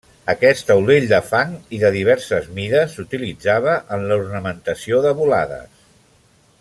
Aquest taulell de fang i de diverses mides s'utilitzava en l'ornamentació de volades.